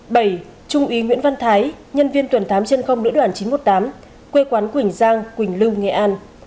bảy trung úy nguyễn văn thái nhân viên tuần thám trên không lữ đoàn chín trăm một mươi tám quê quán quỳnh giang quỳnh lưu nghệ an